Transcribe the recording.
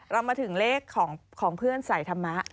เรามาถึงเลขของเพื่อนสายธรรมะ